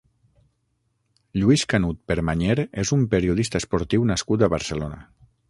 Lluís Canut Permanyer és un periodista esportiu nascut a Barcelona.